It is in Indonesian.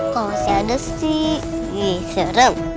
kalau masih ada sih sirem